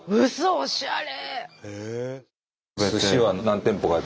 おしゃれ！